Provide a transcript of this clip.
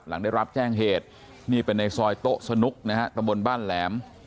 หลังได้รับแจ้งเหตุนี่เป็นในซอยโต๊ะสนุกนะฮะตำบลบ้านแหลม